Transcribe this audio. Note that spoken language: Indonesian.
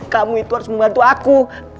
kamu itu harus membantu aku